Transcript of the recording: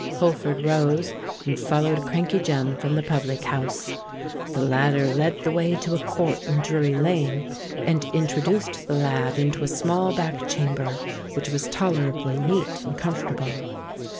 Holford rose, and followed Crankey Jem from the public house. The latter led the way to a court in Drury Lane; and introduced the lad into a small back chamber, which was tolerably neat and comfortable.